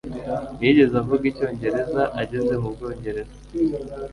Ntiyigeze avuga Icyongereza ageze mu Bwongereza